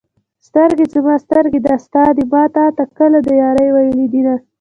سترګې زما سترګې دا ستا دي ما تا ته کله د يارۍ ویلي دینه